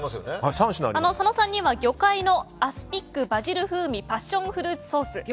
佐野さんには魚介のアスピックバジル風味パッションフルーツソース。